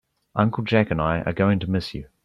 Uncle Jack and I are going to miss you.